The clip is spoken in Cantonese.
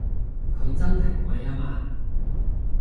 佢真係貴吖嘛！